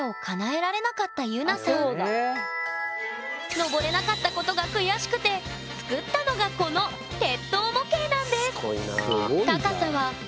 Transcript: のぼれなかったことが悔しくて作ったのがこの鉄塔模型なんです